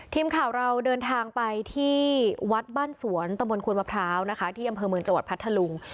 ทีมข่าวเราเดินทางไปที่วัดบ้านสวนตำบลควนมะพร้าวนะคะที่อำเภอเมืองจังหวัดพัทธลุง